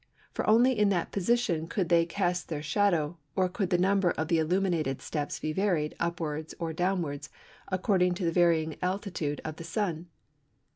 For only in that position could they cast their shadow, or could the number of the illuminated steps be varied, upwards or downwards, according to the varying altitude of the sun.